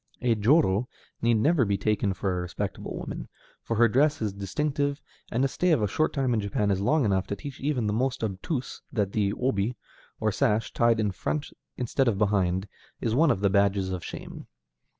A jōrō need never be taken for a respectable woman, for her dress is distinctive, and a stay of a short time in Japan is long enough to teach even the most obtuse that the obi, or sash, tied in front instead of behind, is one of the badges of shame.